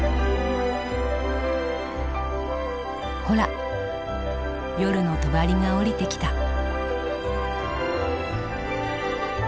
ほら夜のとばりが下りてきた。